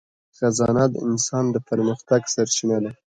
خزانه د انسان د پرمختګ سرچینه ده.